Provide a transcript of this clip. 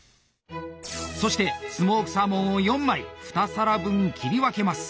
そしてスモークサーモンを４枚２皿分切り分けます。